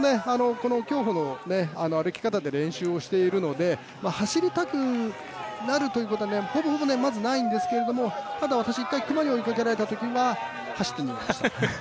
ただね、我々もこの競歩の歩き方で練習をしているので、走りたくなるということはほぼほぼないんですけれどもただ私、１回、熊に追いかけられたときは走って逃げました。